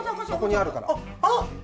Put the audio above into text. そこにあるから。